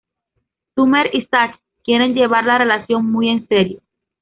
Summer y Zach quieren llevar La relación muy en serio.